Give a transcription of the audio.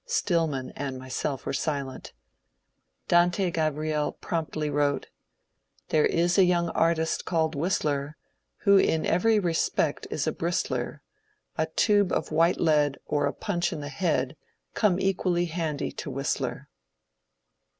(Stillman and myself were silent.) Dante Grabriel promptly wrote :— There is a young artist called Whistler, Who in every respect is a bristler : A tube of white lead Or a punch on the head, Come equally handy to Whistler.